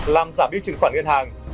làm giảm biêu chuyển khoản ngân hàng